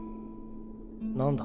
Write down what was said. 何だ？